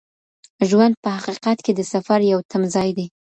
ژوند په حقیقت کي د سفر یو تمځای دی.